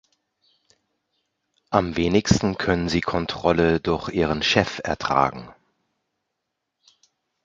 Am wenigsten können sie Kontrolle durch ihren Chef ertragen.